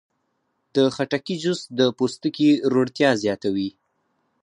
د خټکي جوس د پوستکي روڼتیا زیاتوي.